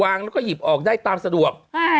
แล้วก็หยิบออกได้ตามสะดวก